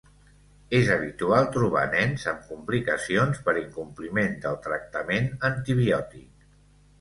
És habitual trobar nens amb complicacions per incompliment del tractament antibiòtic.